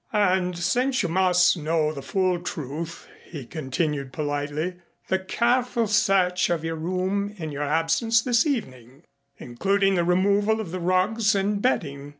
"And since you must know the full truth," he continued politely, "the careful search of your room in your absence this evening including the removal of the rugs and bedding.